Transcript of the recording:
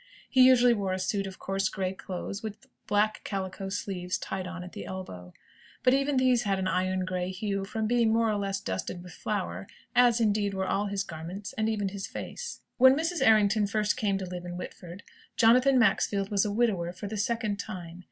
He usually wore a suit of coarse grey clothes, with black calico sleeves tied on at the elbow. But even these had an iron grey hue, from being more or less dusted with flour; as, indeed, were all his garments, and even his face. When Mrs. Errington first came to live in Whitford, Jonathan Maxfield was a widower for the second time.